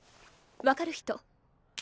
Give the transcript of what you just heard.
分かる人。